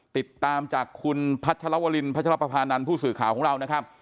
ติดตามจากคุณพัชรวรินพัชรปภานันทร์ผู้สื่อข่าวของเรานะครับ